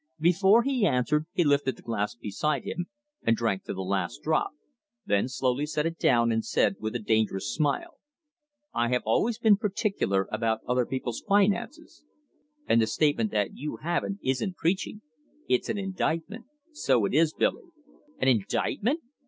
Before he answered he lifted the glass beside him and drank to the last drop, then slowly set it down and said, with a dangerous smile: "I have always been particular about other people's finances, and the statement that you haven't isn't preaching, it's an indictment so it is, Billy." "An indictment!"